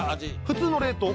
普通の冷凍？